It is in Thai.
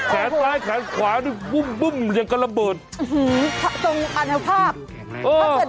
เฮ่ยวสัน